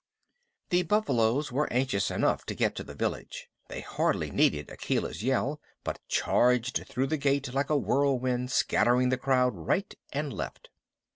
The buffaloes were anxious enough to get to the village. They hardly needed Akela's yell, but charged through the gate like a whirlwind, scattering the crowd right and left.